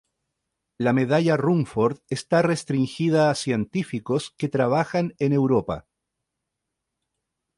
La medalla Rumford está restringida a científicos que trabajan en Europa.